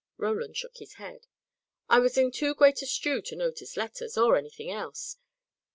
Roland shook his head. "I was in too great a stew to notice letters, or anything else.